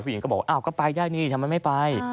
หญิงก็บอกว่าอ้าวก็ไปได้นี่ทำไมไม่ไป